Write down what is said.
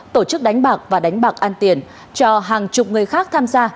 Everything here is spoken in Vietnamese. tổ chức đánh bạc và đánh bạc an tiền cho hàng chục người khác tham gia